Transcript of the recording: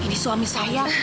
ini suami saya